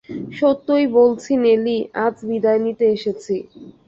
সত্যই বলছি নেলি, আজ বিদায় নিতে এসেছি।